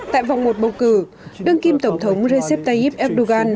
tại vòng một bầu cử đương kim tổng thống recep tayyip erdogan